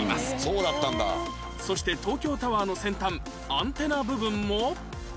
そして東京タワーの先端アンテナ部分も